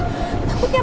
bercanda kok mas